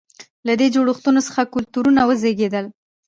له دې جوړښتونو څخه کلتورونه وزېږېدل.